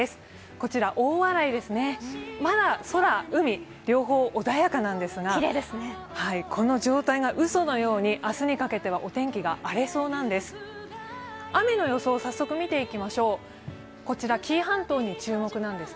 こちら大洗ですね、まだ空、海、両方穏やかなんですが、この状態がうそのように明日にかけてはお天気が荒れそうなんです。